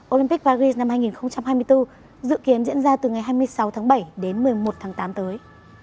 olympic paris năm hai nghìn hai mươi bốn dự kiến diễn ra từ ngày hai mươi sáu tháng bảy đến một mươi một tháng tám tới